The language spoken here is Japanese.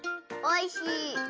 おいしい？